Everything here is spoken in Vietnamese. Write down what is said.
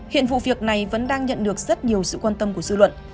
hiện vụ việc này vẫn đang nhận được rất nhiều sự quan tâm của dư luận